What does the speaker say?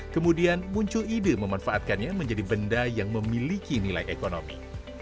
kemudian muncul ide memanfaatkannya menjadi benda yang memiliki nilai ekonomi